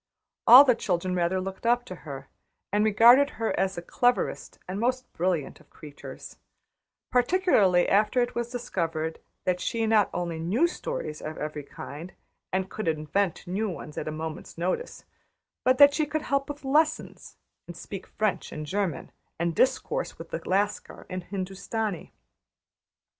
All the children rather looked up to her and regarded her as the cleverest and most brilliant of creatures particularly after it was discovered that she not only knew stories of every kind, and could invent new ones at a moment's notice, but that she could help with lessons, and speak French and German, and discourse with the Lascar in Hindustani.